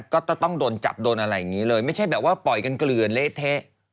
ก็จะต้องโดนจับโดนอะไรอย่างนี้เลยไม่ใช่แบบว่าปล่อยกันเกลือเละเทะ